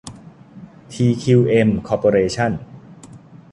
ทีคิวเอ็ม คอร์ปอเรชั่น